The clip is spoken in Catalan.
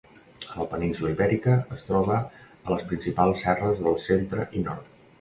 A la península Ibèrica es troba a les principals serres del centre i nord.